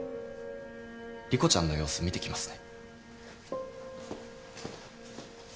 莉子ちゃんの様子見てきますね。